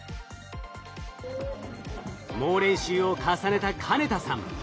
猛練習を重ねた金田さん。